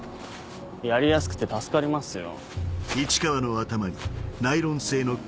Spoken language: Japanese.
やりやすくて助かりますよ。